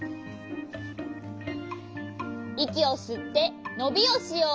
いきをすってのびをしよう。